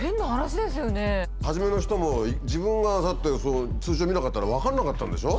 初めの人も自分がそうやって通帳見なかったら分かんなかったんでしょ？